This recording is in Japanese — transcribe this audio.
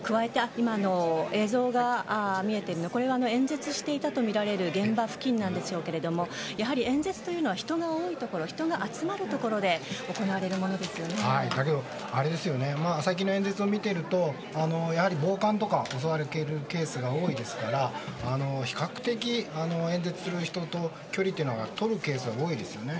映像が見えているのは演説していたとみられる現場付近ですけれどもやはり演説というのは人が多いところ人が集まるところで最近の演説を見ているとやはり暴漢とかに襲われるケースが多いですから比較的、演説する人との距離というのはとるケースが多いですよね。